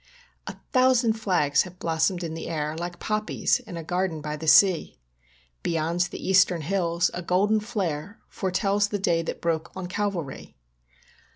A thousand flags have blossomed in the air Like poppies in a garden by the sea. Beyond the eastern hills a golden flare Foretells the day that broke on Calvary.